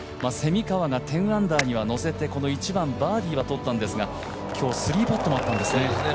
蝉川が１０アンダーにはのせてこの１番バーディーはとったんですが、今日、３パットもあったんですね。